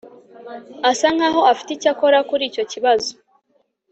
asa nkaho afite icyo akora kuri icyo kibazo